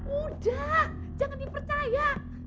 udah jangan dipercaya